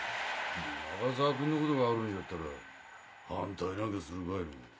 永沢君のことがあるんじゃったら反対なんかするかいの。